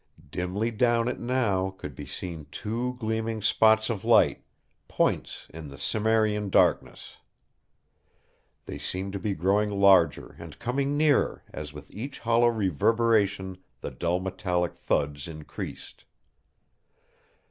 Dimly down it now could be seen two gleaming spots of light, points in the Cimmerian darkness. They seemed to be growing larger and coming nearer as with each hollow reverberation the dull metallic thuds increased.